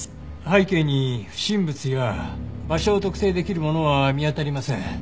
背景に不審物や場所を特定できるものは見当たりません。